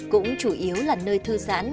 cũng chủ yếu là nơi thư giãn